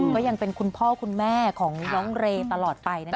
ก็ยังเป็นคุณพ่อคุณแม่ของน้องเรย์ตลอดไปนะคะ